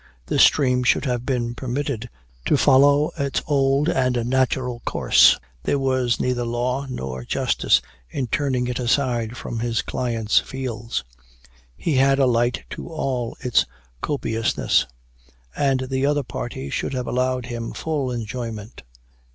The stream should have been permitted to follow its old and natural course. There was neither law nor justice in turning it aside from his client's fields. He had a light to all its copiousness, and the other party should have allowed him full enjoyment.